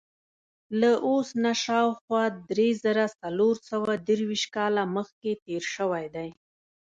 له اوس نه شاوخوا درې زره څلور سوه درویشت کاله مخکې تېر شوی دی.